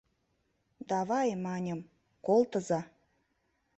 Давай, — маньым, — колтыза!